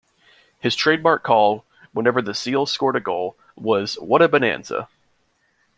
His trademark call, whenever the Seals scored a goal, was What a bonanza!